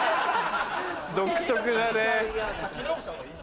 独特だね。